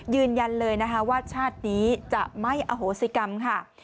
ยืนยันเลยนะคะว่าชาตินี้จะไม่อโหสิกรรมค่ะ